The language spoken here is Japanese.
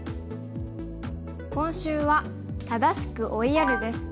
今週は「正しく追いやる」です。